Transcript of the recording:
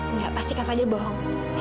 enggak pasti kak fadil bohong